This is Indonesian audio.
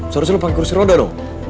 seharusnya lo pakai kerusi roda dong